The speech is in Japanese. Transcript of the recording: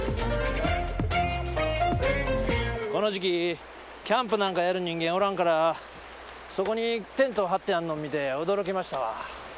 この時期キャンプなんかやる人間おらんからそこにテント張ってあんのん見て驚きましたわ。